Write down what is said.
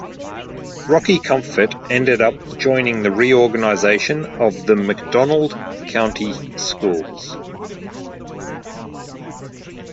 Rocky Comfort ended up joining the reorganization of the McDonald County schools.